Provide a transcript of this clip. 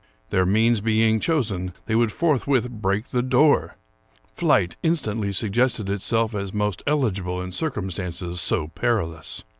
Their means being chosen, they would forthwith break the door. Flight instantly suggested itself as most eligible in circumstances so perilous.